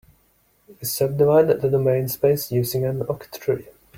We subdivide the domain space using an octree.